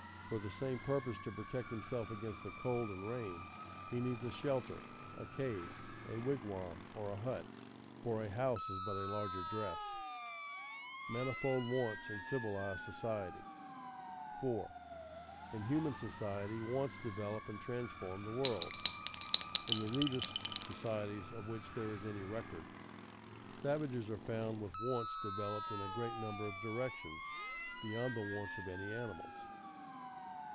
For the same purpose, to protect himself against the cold and rain, he needs a shelter, a cave, a wigwam, or a hut; for a house is but a larger dress. [Sidenote: Manifold wants in civilized society] 4. In human society, wants develop and transform the world. In the rudest societies of which there is any record, savages are found with wants developed in a great number of directions beyond the wants of any animals.